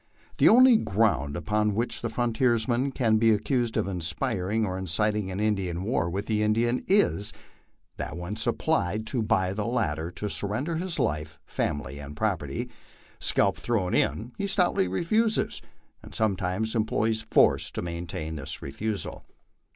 The only ground upon which the frontiers man can be accused of inspiring or inciting a war with the Indian is, that when applied to by the latter to surrender his life, family, and property, scalp thrown in, he stoutly refuses, and sometimes employs force to maintain this refusal.